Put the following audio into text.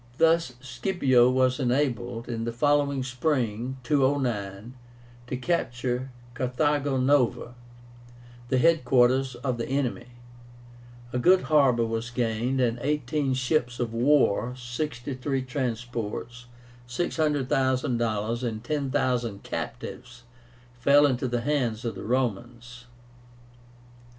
Thus Scipio was enabled, in the following spring (209), to capture Carthago Nova, the head quarters of the enemy. A good harbor was gained, and eighteen ships of war, sixty three transports, $600,000, and 10,000 captives fell into the hands of the Romans.